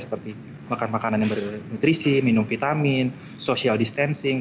seperti makan makanan yang bernutrisi minum vitamin social distancing